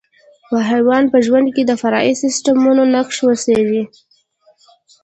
په حیوان په ژوند کې د فرعي سیسټمونو نقش وڅېړئ.